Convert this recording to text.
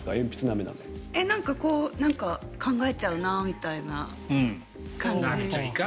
なんか、こう考えちゃうなみたいな感じ。